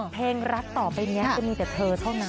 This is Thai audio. เพลงรักต่อไปนี้จะมีแต่เธอเท่านั้น